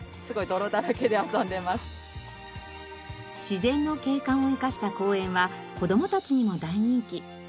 自然の景観を生かした公園は子どもたちにも大人気。